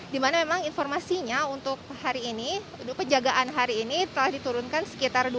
dimana memang informasinya untuk hari ini penjagaan hari ini telah diturunkan sekitar